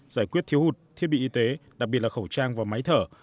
giải quyết thiếu hụt thiết bị y tế đặc biệt là khẩu trang và máy thở